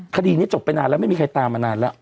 คดีนี้จบไปนานแล้วไม่มีใครตามมานานแล้ว